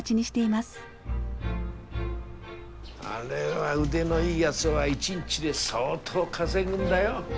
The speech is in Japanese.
あれは腕のいいやづは一日で相当稼ぐんだよ。